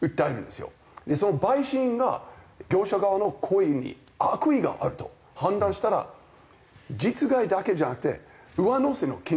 その陪審員が業者側の行為に悪意があると判断したら実害だけじゃなくて上乗せの金額がある。